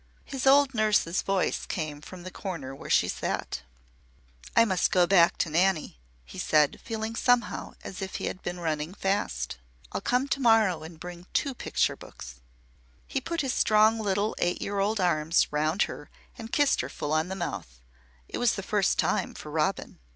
His old nurse's voice came from the corner where she sat. "I must go back to Nanny," he said, feeling, somehow, as if he had been running fast. "I'll come to morrow and bring two picture books." He put his strong little eight year old arms round her and kissed her full on the mouth. It was the first time, for Robin.